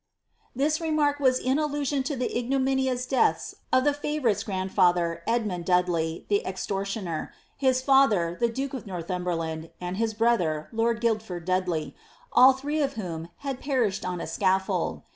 Tin's remark was in allusion to the ignominious deaths of the 4* ▼ourite's i^ndfdther, Edmund Dudley the extortioner ; his fiithef , th« duke of Northumberland ; and his brother, lord Guildford Dadleyy— «D three of whom had perished on a scaffold.